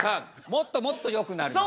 もっともっとよくなります。